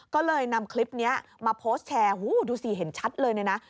ก็เลยนำคลิปนี้มาโพสต์แชร์ดูสิเห็นชัดเลยเนี่ยนะ